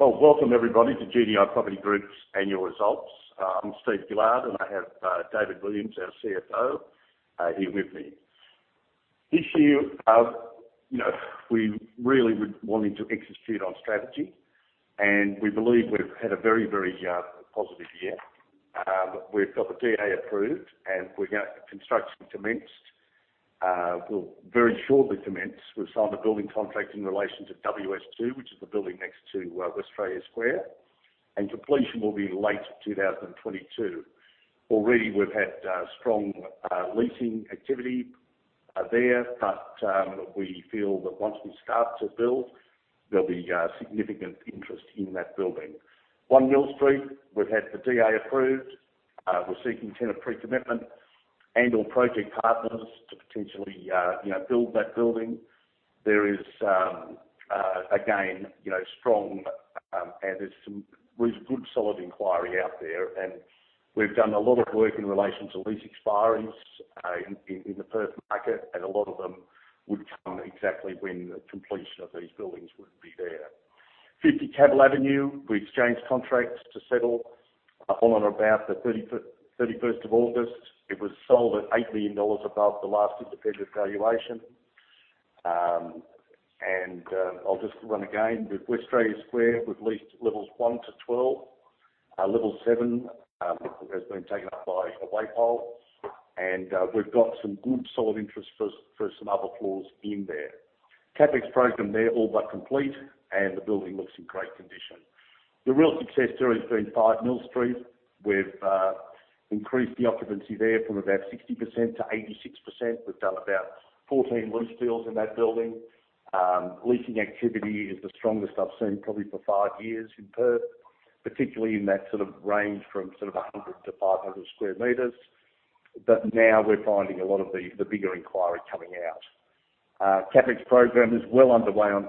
Well, welcome everybody to GDI Property Group's Annual Results. I'm Steve Gillard, and I have David Williams, our CFO, here with me. This year, we really were wanting to execute on strategy, and we believe we've had a very positive year. We've got the DA approved, and we got construction commenced. We'll very shortly commence. We've signed a building contract in relation to WS2, which is the building next to Westralia Square, and completion will be late 2022. Already, we've had strong leasing activity there. We feel that once we start to build, there'll be significant interest in that building. 1 Mill Street, we've had the DA approved. We're seeking tenant pre-commitment and/or project partners to potentially build that building. There is, again, strong and there's some really good solid inquiry out there, and we've done a lot of work in relation to lease expiries in the Perth market, and a lot of them would come exactly when the completion of these buildings would be there. 50 Cavill Avenue, we exchanged contracts to settle on or about the August 31st. It was sold at 8 million dollars above the last independent valuation. I'll just run again. With Westralia Square, we've leased levels one to 12. Level 7 has been taken up by WAPOL. We've got some good solid interest for some other floors in there. CapEx program there all but complete, and the building looks in great condition. The real success story has been 5 Mill Street. We've increased the occupancy there from about 60% to 86%. We've done about 14 lease deals in that building. Leasing activity is the strongest I've seen probably for five years in Perth, particularly in that range from 100 sq meters-500 sq meters. Now we're finding a lot of the bigger inquiry coming out. CapEx program is well underway on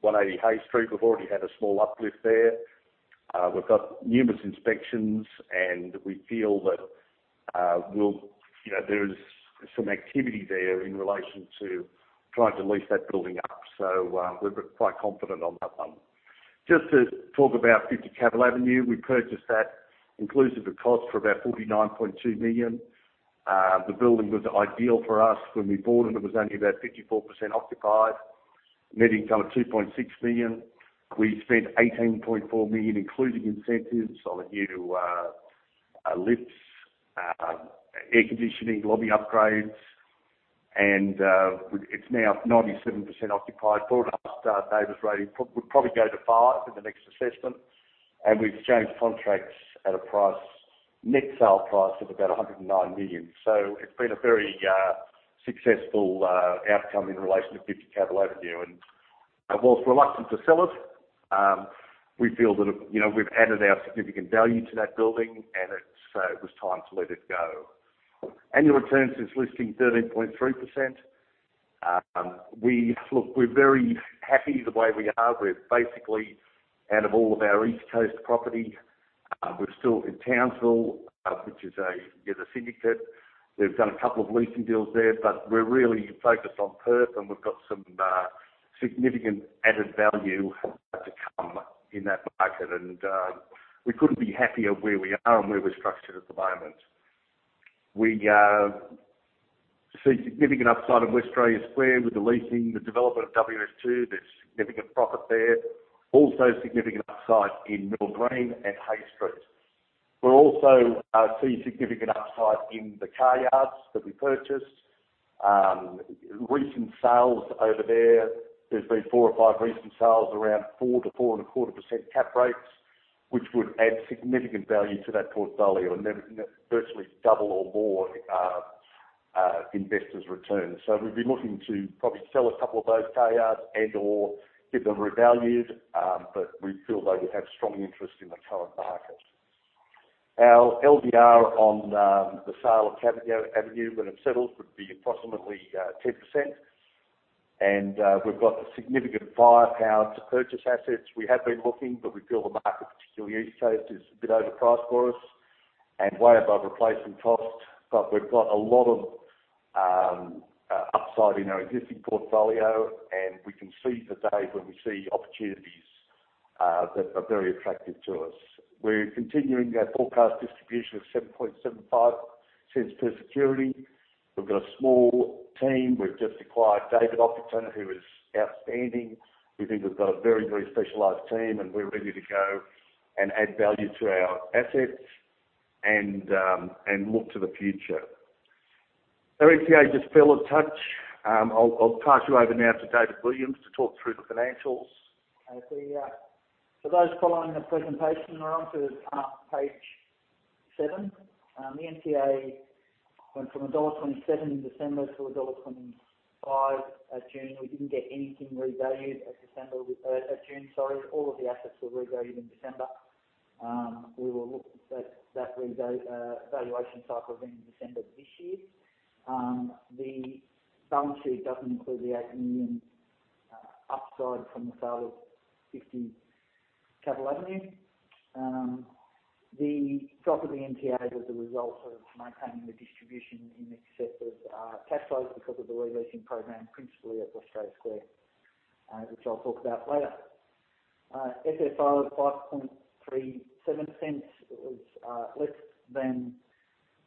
180 Hay Street. We've already had a small uplift there. We've got numerous inspections, and we feel that there is some activity there in relation to trying to lease that building up. We're quite confident on that one. Just to talk about 50 Cavill Avenue. We purchased that inclusive of cost for about 49.2 million. The building was ideal for us. When we bought it was only about 54% occupied. Net income of 2.6 million. We spent 18.4 million, including incentives on new lifts, air conditioning, lobby upgrades, and it's now 97% occupied. Before, our NABERS rating would probably go to 5-star in the next assessment. We've exchanged contracts at a net sale price of about 109 million. It's been a very successful outcome in relation to 50 Cavill Avenue. Whilst reluctant to sell it, we feel that we've added our significant value to that building. It was time to let it go. Annual return since listing, 13.3%. Look, we're very happy the way we are. We're basically out of all of our East Coast property. We're still in Townsville, which is a syndicate. We've done a couple of leasing deals there. We're really focused on Perth. We've got some significant added value to come in that market. We couldn't be happier where we are and where we're structured at the moment. We see significant upside of Westralia Square with the leasing, the development of WS2. There's significant profit there. Also significant upside in Mill Green and Hay Street. We're also seeing significant upside in the car yards that we purchased. Recent sales over there's been four or five recent sales around 4%-4.25% cap rates, which would add significant value to that portfolio and virtually double or more investors' returns. We've been looking to probably sell two of those car yards and/or get them revalued, but we feel they would have strong interest in the current market. Our LVR on the sale of Cavill Avenue, when it settles, would be approximately 10%. We've got significant firepower to purchase assets. We have been looking, but we feel the market, particularly East Coast, is a bit overpriced for us and way above replacement cost. We've got a lot of upside in our existing portfolio, and we can see the day when we see opportunities that are very attractive to us. We're continuing our forecast distribution of 0.0775 per security. We've got a small team. We've just acquired David Ockenden, who is outstanding. We think we've got a very specialized team, and we're ready to go and add value to our assets and look to the future. Our NTA just fell a touch. I'll pass you over now to David Williams to talk through the financials. For those following the presentation along to page seven. The NTA went from dollar 1.27 in December to AUD 1.25 at June. We didn't get anything revalued at June, sorry. All of the assets were revalued in December. We will look at that revaluation cycle again in December this year. The balance sheet doesn't include the 8 million upside from the sale of 50 Cavill Avenue. The drop of the NTA was the result of maintaining the distribution in excess of tax loans because of the re-leasing program, principally at Westralia Square, which I'll talk about later. FFO of 0.0537 was less than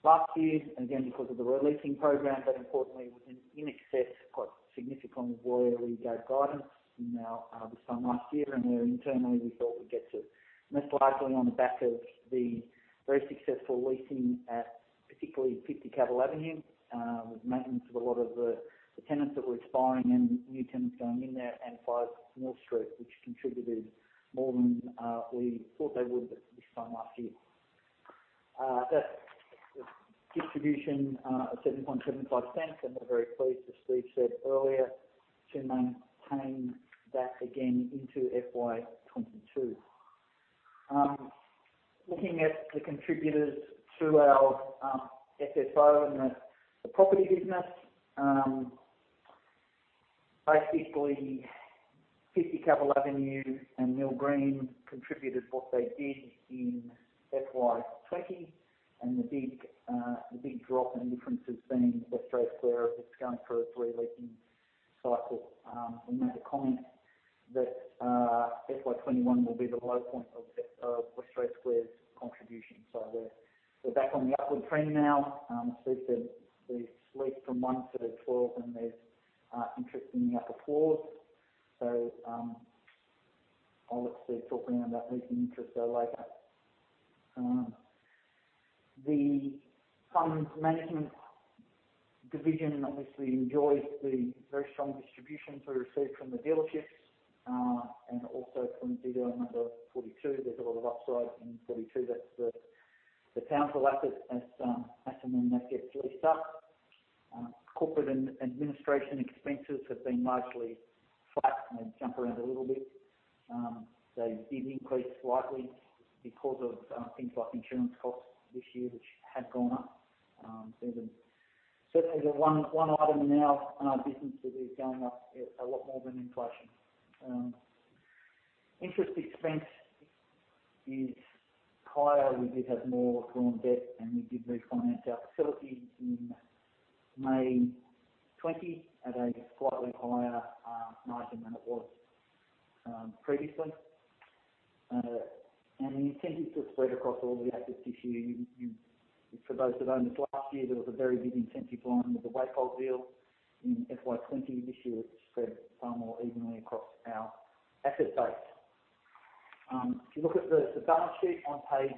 last year, again because of the re-leasing program. Importantly, it was in excess, quite significantly, of where we gave guidance this time last year, and where internally we thought we'd get to. Most likely on the back of the very successful leasing at particularly 50 Cavill Avenue, with maintenance of a lot of the tenants that were expiring and new tenants going in there, and 5 Mill Street, which contributed more than we thought they would this time last year. The distribution of 0.0775, and we're very pleased, as Steve said earlier, to maintain that again into FY2022. Looking at the contributors to our FFO and the property business. Basically, 50 Cavill Avenue and Mill Green contributed what they did in FY2020, and the big drop in differences being Westralia Square. It's going through a re-leasing cycle. We made a comment that FY2021 will be the low point of Westralia Square's contribution. We're back on the upward trend now. Steve said they've leased from one to 12 and there's interest in the upper floors. I'll let Steve talk about leasing interest there later. The funds management division obviously enjoys the very strong distributions we received from the dealerships, and also from GDI No. 42. There's a lot of upside in 42. That's the council asset, as and when that gets leased up. Corporate and administration expenses have been largely flat and they jump around a little bit. It did increase slightly because of things like insurance costs this year, which have gone up. Certainly the one item in our business that is going up a lot more than inflation. Interest expense is higher. We did have more drawn debt and we did re-finance our facilities in May 2020 at a slightly higher margin than it was previously. The incentives were spread across all the assets this year. For those that owned it last year, there was a very big incentive on the IDOM deal in FY 2020. This year, it's spread far more evenly across our asset base. If you look at the balance sheet on page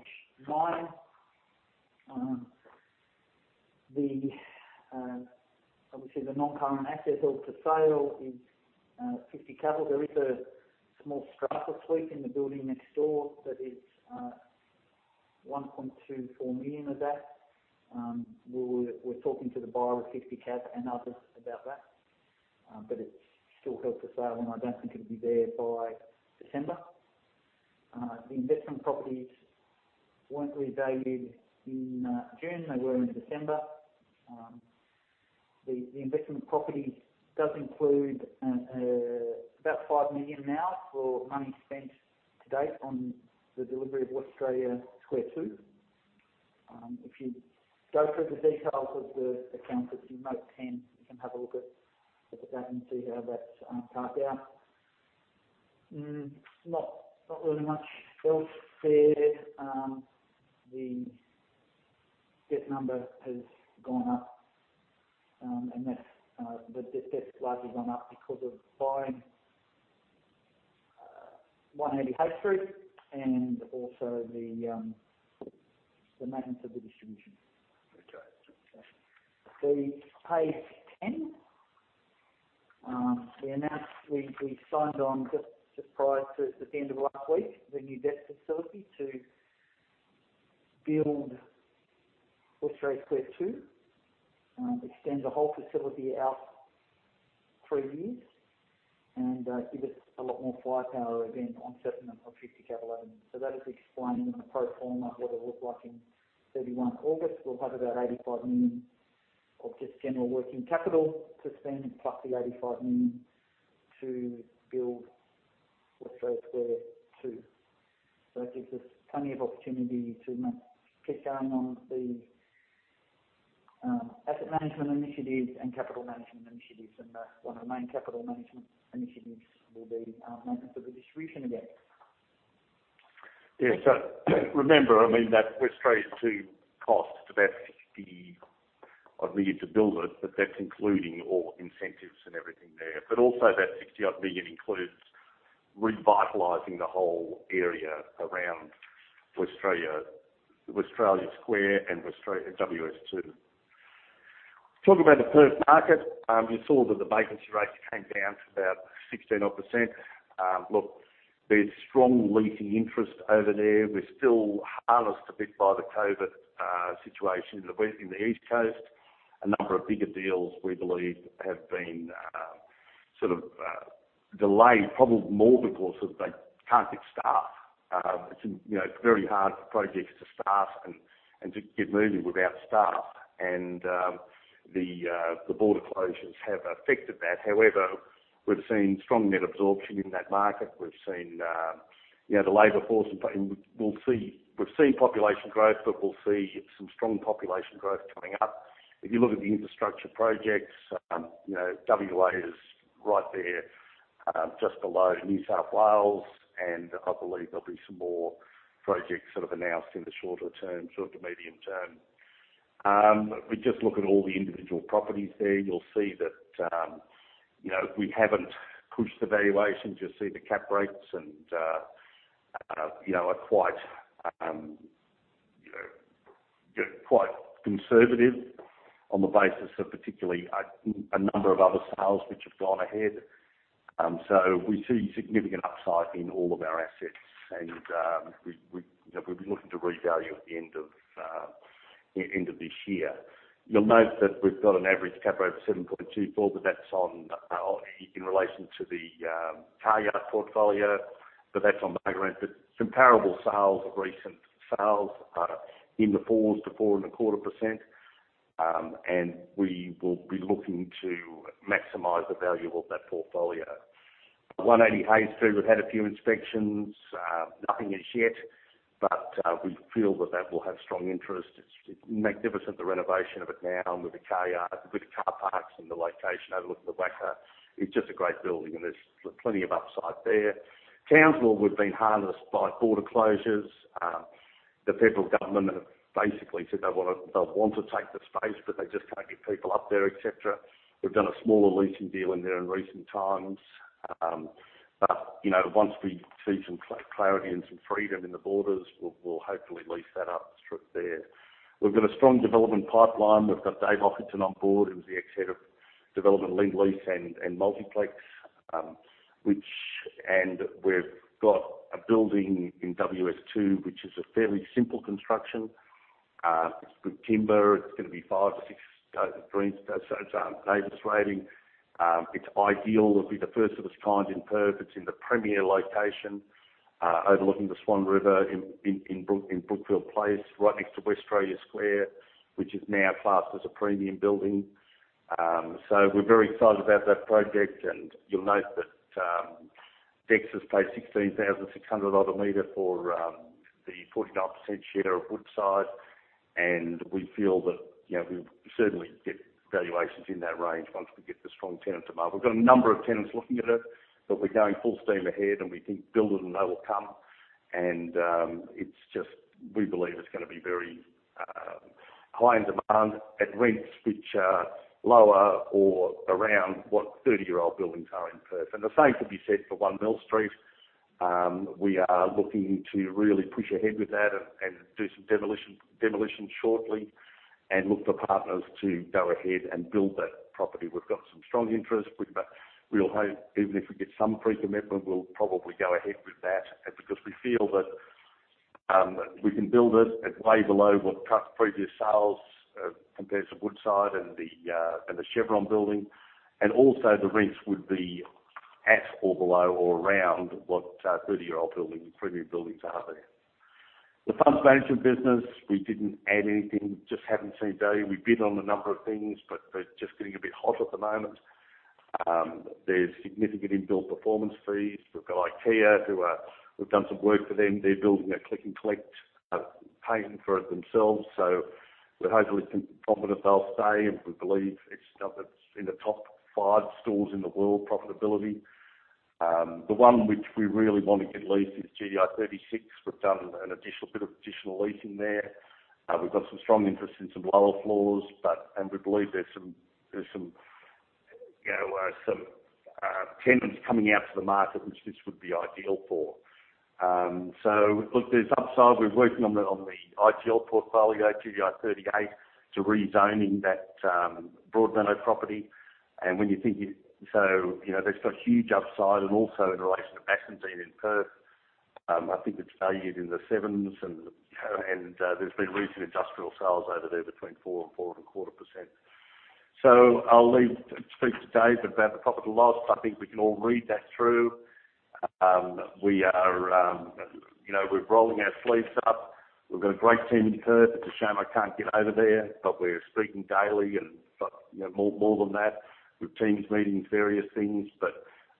nine, obviously the non-current asset held for sale is 50 Cavill. There is a small strata sweep in the building next door that is 1.24 million of that. We're talking to the buyer of 50 Cav and others about that. It's still held for sale, and I don't think it'll be there by December. The investment properties weren't revalued in June. They were in December. The investment property does include about 5 million now for money spent to date on the delivery of Westralia Square 2. If you go through the details of the accounts at page 10, you can have a look at that and see how that's parked out. Not really much else there. The debt number has gone up, and that debt's largely gone up because of buying 180 Hay Street and also the maintenance of the distribution. Page 10. We announced we signed on just prior to the end of last week, the new debt facility to build Westralia Square 2, extend the whole facility out and give us a lot more firepower again on settlement of 50 Cavill Avenue. That is explained in the pro forma, what it looks like in August 31. We'll have about 85 million of just general working capital to spend, plus the 85 million to build Westralia Square 2. It gives us plenty of opportunity to keep going on the asset management initiatives and capital management initiatives. One of the main capital management initiatives will be maintenance of the distribution again. Remember, that Westralia Square 2 cost about 60 million to build it, but that's including all incentives and everything there. Also that 60 million includes revitalizing the whole area around Westralia Square and WS2. Talk about the Perth market. You saw that the vacancy rate came down to about 16%. There's strong leasing interest over there. We're still harnessed a bit by the COVID situation in the East Coast. A number of bigger deals we believe have been sort of delayed probably more because they can't get staff. It's very hard for projects to start and to get moving without staff. The border closures have affected that. However, we've seen strong net absorption in that market. We've seen the labor force, and we've seen population growth, we'll see some strong population growth coming up. If you look at the infrastructure projects, WA is right there, just below New South Wales, and I believe there'll be some more projects announced in the shorter term, shorter to medium term. If we just look at all the individual properties there, you'll see that we haven't pushed the valuations. You'll see the cap rates are quite conservative on the basis of particularly a number of other sales which have gone ahead. We see significant upside in all of our assets, and we'd be looking to revalue at the end of this year. You'll note that we've got an average cap rate of 7.24%, but that's in relation to the car yard portfolio, but that's on the background. Comparable sales of recent sales are in the 4%-4.25%, and we will be looking to maximize the value of that portfolio. 180 Hay Street, we've had a few inspections. Nothing as yet, we feel that will have strong interest. It's magnificent, the renovation of it now and with the car parks and the location overlooking the WACA. It's just a great building, there's plenty of upside there. Townsville, we've been harnessed by border closures. The federal government have basically said they want to take the space, but they just can't get people up there, et cetera. We've done a smaller leasing deal in there in recent times. Once we see some clarity and some freedom in the borders, we'll hopefully lease that up there. We've got a strong development pipeline. We've got David Ockenden on board, who was the ex-Head of Development, Lendlease and Multiplex. We've got a building in WS2, which is a fairly simple construction. It's good timber. It's going to be 5-star to 6-star, so it's NABERS rating. It's ideal. It'll be the first of its kind in Perth. It's in the premier location overlooking the Swan River in Brookfield Place right next to Westralia Square, which is now classed as a premium building. We're very excited about that project, and you'll note that Dexus paid 16,600 a meter for the 49% share of Woodside, and we feel that we'll certainly get valuations in that range once we get the strong tenant demand. We've got a number of tenants looking at it, but we're going full steam ahead, and we think build it and they will come. We believe it's going to be very high in demand at rents which are lower or around what 30-year-old buildings are in Perth. The same could be said for 1 Mill Street. We are looking to really push ahead with that and do some demolition shortly and look for partners to go ahead and build that property. We've got some strong interest. We'll hope even if we get some pre-commitment, we'll probably go ahead with that because we feel that we can build it at way below what previous sales compared to Woodside and the Chevron building, and also the rents would be at or below or around what 30-year-old premium buildings are there. The funds management business, we didn't add anything, just haven't seen value. They're just getting a bit hot at the moment. There's significant inbuilt performance fees. We've got IKEA. We've done some work for them. They're building a click and collect, paying for it themselves. We're hopefully confident they'll stay, and we believe it's in the top five stores in the world profitability. The one which we really want to get leased is GDI 36. We've done a bit of additional leasing there. We've got some strong interest in some lower floors, and we believe there's some tenants coming out to the market, which this would be ideal for. Look, there's upside. We're working on the UGL portfolio, GDI 38, to rezoning that Broadmeadow property. That's got huge upside, and also in relation to vacancies in Perth, I think it's valued in the 7s, and there's been recent industrial sales over there between 4% and 4.25%. I'll leave to speak to David Ockenden about the profit and loss. I think we can all read that through. We're rolling our sleeves up. We've got a great team in Perth. It's a shame I can't get over there, we're speaking daily and more than that, with teams meeting various things.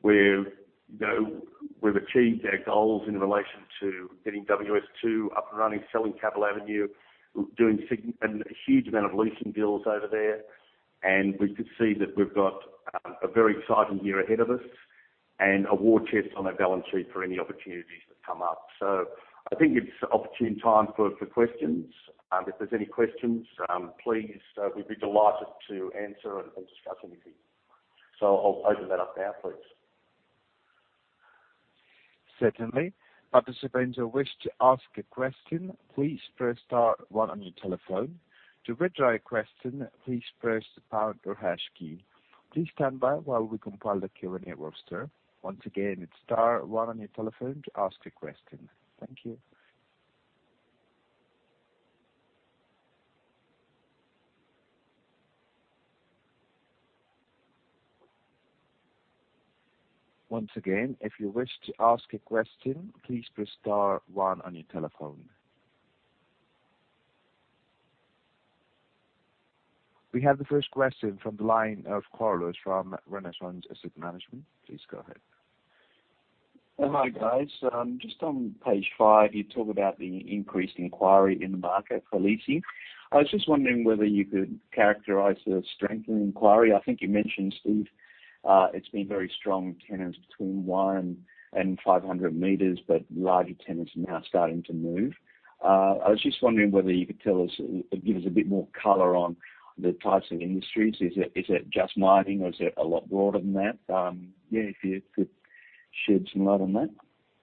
We've achieved our goals in relation to getting WS2 up and running, selling Cavill Avenue, doing a huge amount of leasing deals over there. We could see that we've got a very exciting year ahead of us and a war chest on our balance sheet for any opportunities that come up. I think it's opportune time for questions. If there's any questions, please, we'd be delighted to answer and discuss anything. I'll open that up now, please. We have the first question from the line of Carlos from Renaissance Asset Management. Please go ahead. Hi, guys. Just on page five, you talk about the increased inquiry in the market for leasing. I was just wondering whether you could characterize the strength in inquiry. I think you mentioned, Steve, it has been very strong tenants between 1 meters and 500 meters, but larger tenants are now starting to move. I was just wondering whether you could give us a bit more color on the types of industries. Is it just mining or is it a lot broader than that? Yeah, if you could shed some light on that.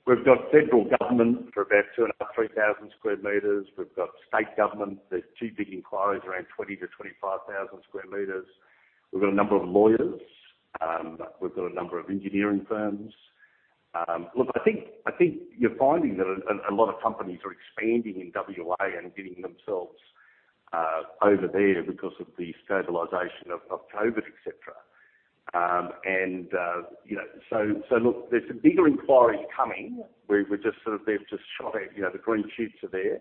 We've got federal government for about 2,500 sq meters-3,000 sq meters. We've got state government. There's two big inquiries around 20,000 sq meters-25,000 sq meters. We've got a number of lawyers. We've got a number of engineering firms. Look, I think you're finding that a lot of companies are expanding in WA and getting themselves over there because of the stabilization of COVID, et cetera. Look, there's some bigger inquiries coming. They've just shot out. The green shoots are there.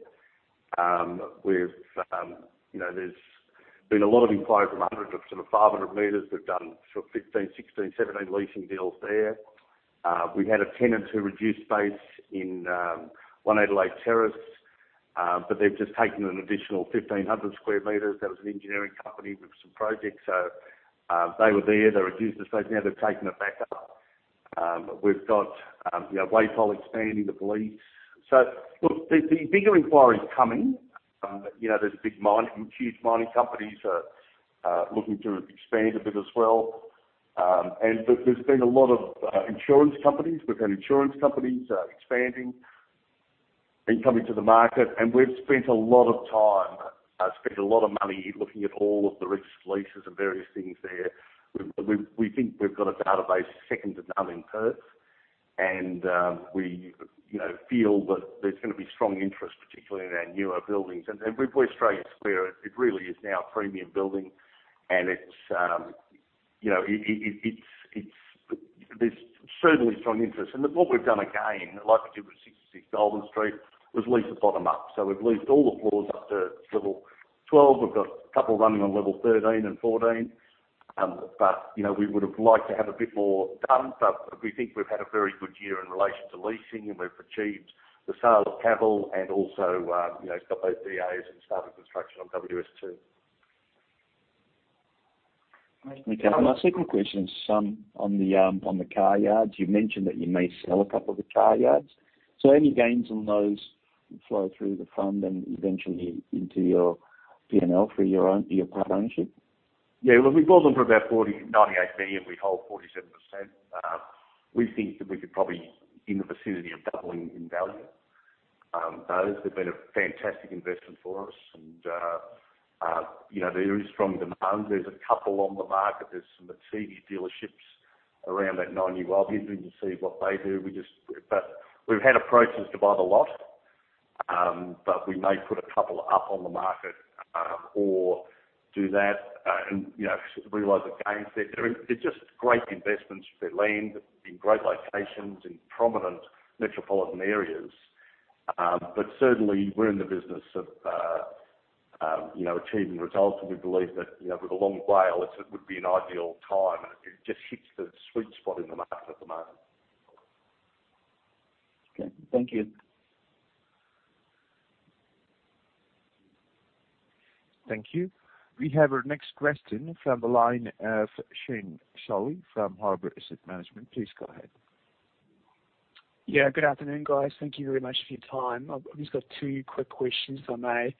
There's been a lot of inquiries from 100 sq meters-500 sq meters. We've done 15, 16, 17 leasing deals there. We had a tenant who reduced space in 197 Terrace, they've just taken an additional 1,500 sq meters. That was an engineering company with some projects. They were there. They reduced the space. Now they've taken it back up. We've got Webber expanding their lease. Look, the bigger inquiry is coming. There's huge mining companies are looking to expand a bit as well. There's been a lot of insurance companies. We've had insurance companies expanding and coming to the market, and we've spent a lot of time, a lot of money looking at all of the risks, leases, and various things there. We think we've got a database second to none in Perth. We feel that there's going to be strong interest, particularly in our newer buildings. With Westralia Square, it really is now a premium building and there's certainly strong interest. What we've done again, like we did with 66 Goulburn Street, was lease the bottom up. We've leased all the floors up to level 12. We've got a couple running on level 13 and 14. We would have liked to have a bit more done, but we think we've had a very good year in relation to leasing, and we've achieved the sale of Cavill and also, got those DAs and started construction on WS2. My second question is on the car yards. You mentioned that you may sell a couple of the car yards. Any gains on those flow through the fund and eventually into your P&L for your part ownership? Look, we bought them for about 98 million. We hold 47%. We think that we could probably in the vicinity of doubling in value. Those have been a fantastic investment for us. There is strong demand. There's a couple on the market. There's some Mercedes dealerships around that [non-NNN]. We'll see what they do. We've had approaches to buy the lot, but we may put a couple up on the market or do that and realize the gains there. They're just great investments. They're land in great locations in prominent metropolitan areas. Certainly, we're in the business of achieving results, and we believe that with a long while, it would be an ideal time, and it just hits the sweet spot in the market at the moment. Okay. Thank you. Thank you. We have our next question from the line of Shane Solly from Harbour Asset Management. Please go ahead. Yeah, good afternoon, guys. Thank you very much for your time. I've just got two quick questions, if I may.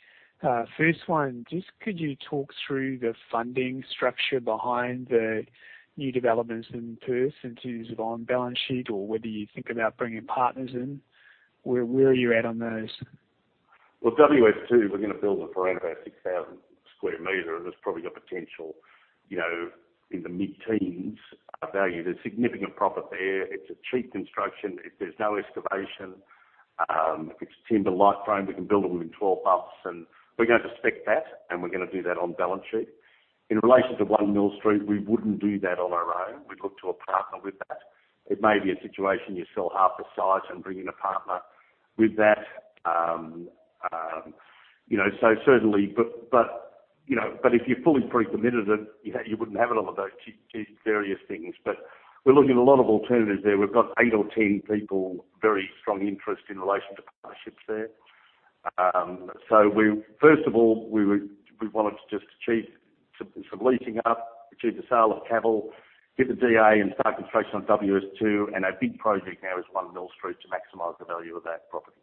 First one, just could you talk through the funding structure behind the new developments in Perth in terms of on-balance sheet or whether you think about bringing partners in? Where are you at on those? WS2, we're going to build it for around about 6,000 sq meters. That's probably got potential in the mid-teens value. There's significant profit there. It's a cheap construction. There's no excavation. It's timber light frame. We can build them in 12 bucks, and we're going to spec that, and we're going to do that on balance sheet. In relation to 1 Mill Street, we wouldn't do that on our own. We'd look to a partner with that. It may be a situation you sell half the site and bring in a partner with that. Certainly. If you're fully pre-committed, you wouldn't have a lot of those various things. We're looking at a lot of alternatives there. We've got eight or 10 people, very strong interest in relation to partnerships there. First of all, we wanted to just achieve some leasing up, achieve the sale of Cavill, get the DA and start construction on WS2, and our big project now is 1 Mill Street to maximize the value of that property.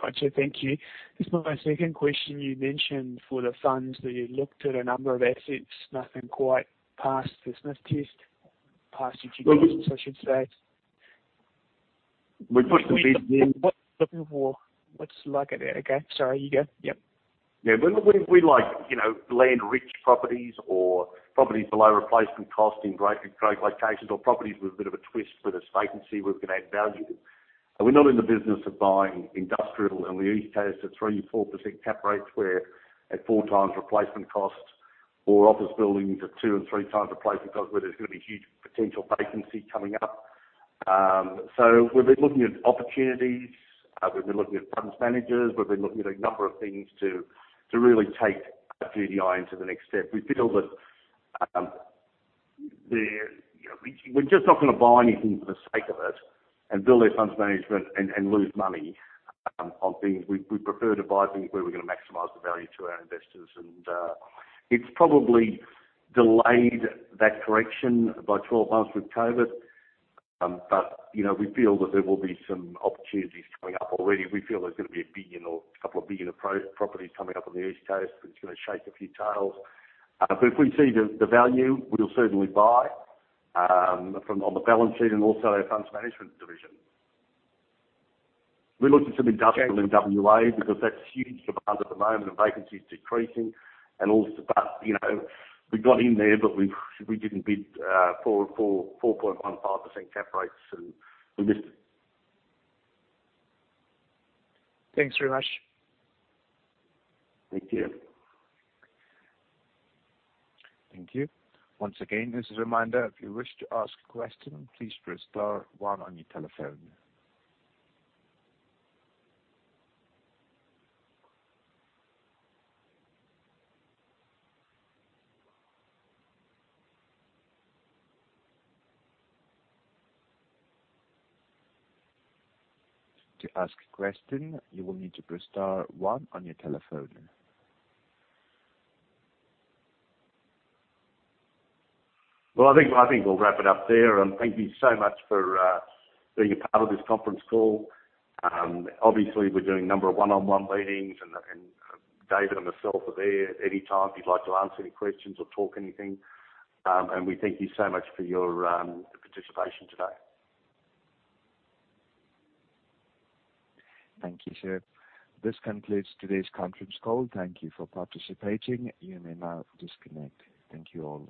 Got you. Thank you. Just my second question, you mentioned for the funds that you looked at a number of assets, nothing quite passed the sniff test, passed due diligence, I should say. We put the bid in. What's it like out there? Okay. Sorry. You go. Yep. Yeah. We like land-rich properties or properties below replacement cost in great locations or properties with a bit of a twist where there's vacancy we can add value to. We're not in the business of buying industrial on the East Coast at 3%, 4% cap rates where at 4x replacement cost or office buildings at 2x and 3x replacement cost where there's going to be huge potential vacancy coming up. fWe've been looking at opportunities, we've been looking at funds managers, we've been looking at a number of things to really take GDI into the next step. We feel that we're just not going to buy anything for the sake of it and build our funds management and lose money on things. We prefer to buy things where we're going to maximize the value to our investors. It's probably delayed that correction by 12 months with COVID, but we feel that there will be some opportunities coming up. Already, we feel there's going to be 1 billion or a couple of billion of properties coming up on the East Coast, and it's going to shake a few tails. If we see the value, we'll certainly buy from on the balance sheet and also our funds management division. We looked at some industrial in WA because that's huge demand at the moment and vacancy is decreasing and all, but we got in there, but we didn't bid 4.15% cap rates, and we missed it. Thanks very much. Thank you. Thank you. Once again, as a reminder, if you wish to ask a question, please press star one on your telephone. To ask a question, you will need to press star one on your telephone. I think we'll wrap it up there. Thank you so much for being a part of this conference call. Obviously, we're doing a number of one-on-one meetings, and David and myself are there anytime if you'd like to ask any questions or talk anything. We thank you so much for your participation today. Thank you, sir. This concludes today's conference call. Thank you for participating. You may now disconnect. Thank you all.